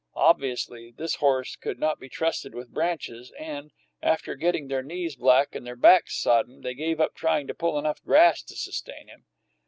Obviously, this horse could not be trusted with branches, and, after getting their knees black and their backs sodden, they gave up trying to pull enough grass to sustain him.